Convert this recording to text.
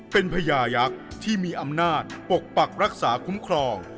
เป็นพญายักษ์ที่มีอำนาจปกปักรักษาคุ้มครอง